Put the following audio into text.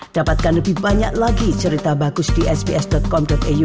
dapatkan lebih banyak lagi cerita bagus di sps com iu